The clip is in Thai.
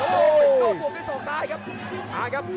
ตอดโตปได้ส่องซายครับ